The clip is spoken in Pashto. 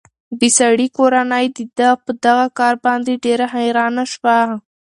د سړي کورنۍ د ده په دغه کار باندې ډېره حیرانه شوه.